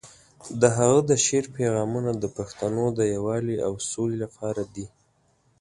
د هغه د شعر پیغامونه د پښتنو د یووالي او سولې لپاره دي.